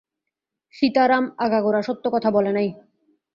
সীতারাম আগাগোড়া সত্য কথা বলে নাই।